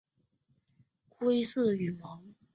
眼周有一圈半月形的亮灰色羽毛。